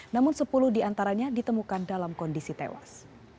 namun sepuluh di antaranya ditemukan dalam kondisi tewas